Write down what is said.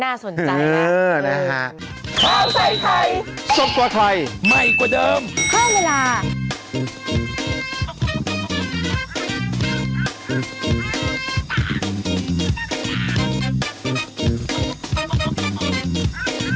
อันนี้น่าสนใจละ